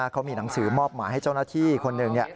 เขามีหนังสือมอบหมายให้เจ้าหน้าที่คนหนึ่ง